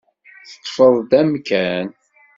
Teṭṭfeḍ-d amkan.